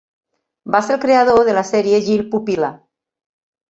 Va ser el creador de la sèrie Gil Pupil·la.